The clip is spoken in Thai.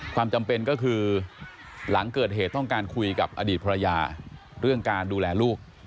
ความจำเป็นก็คือหลังเกิดเหตุต้องการคุยกับอดีตภรรยาเรื่องการดูแลลูก